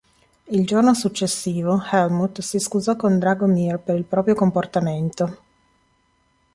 Il giorno successivo Hellmuth si scusò con Dragomir per il proprio comportamento.